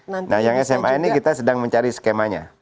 nah yang sma ini kita sedang mencari skemanya